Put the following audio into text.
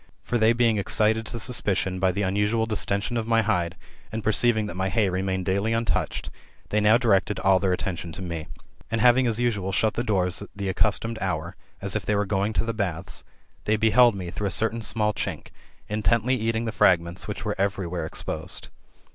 For they being excited [to suspicion] by the unusual distention of my hide, and perceiving that my hay remained daily untouched, they now directed all their attention to me. And having as usual shut the doors at the accustomed hour, as if they were going to the baths, they beheld me through a certain small chink, intently eating the fragments which were every where exposed.